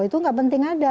itu gak penting ada